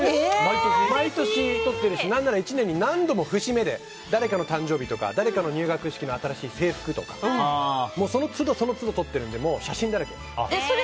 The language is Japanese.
毎年撮ってるし何なら１年に何度も節目で誰かの誕生日とか誰かの入学式の新しい制服とかその都度その都度、撮ってるので写真だらけ。